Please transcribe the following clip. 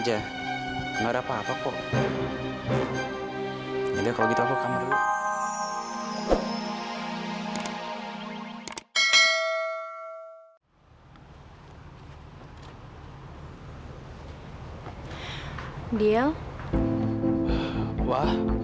sampai jumpa di video selanjutnya